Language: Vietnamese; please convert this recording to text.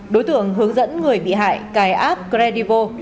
đối tượng hướng dẫn người bị hại cài app credivo